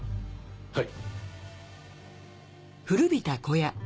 はい。